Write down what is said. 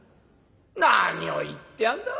「何を言ってやんだ